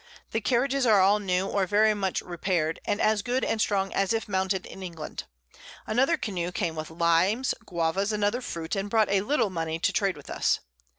The Carriages are all new, or very much repair'd, and as good and strong as if mounted in England. Another Canoe came with Limes, Guavas, and other Fruit, and brought a little Money to trade with us.